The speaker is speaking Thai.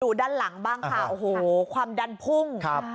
ด้านหลังบ้างค่ะโอ้โหความดันพุ่งครับ